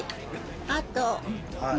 あと。